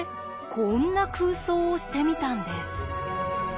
こんな空想をしてみたんです。